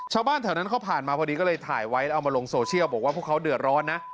ชาวบ้านแถวนั้นเขาผ่านมาพอดีก็เลยถ่ายไว้เอามาลงโซเชียลบอกว่าพวกเขาเดือดร้อนนะ